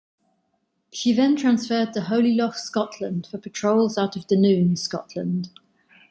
She then transferred to Holy Loch, Scotland, for patrols out of Dunoon, Scotland.